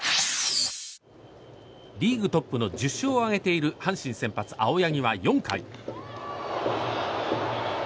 リーグトップの１０勝を挙げている阪神先発、青柳は４回。